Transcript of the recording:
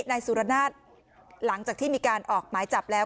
นายสุรนาศหลังจากที่มีการออกหมายจับแล้ว